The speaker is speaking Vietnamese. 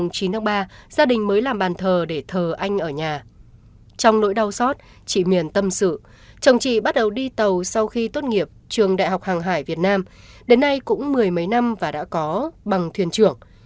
chồng chị bắt đầu đi tàu sau khi tốt nghiệp trường đại học hàng hải việt nam đến nay cũng mười mấy năm và đã có bằng thuyền trưởng